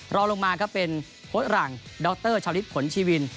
รอลงมาก็เป็นโฮดหลังดอร์เตอร์ชาวลิศขนชีวิน